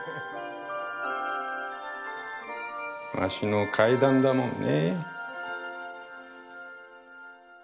わしの階段だもんね。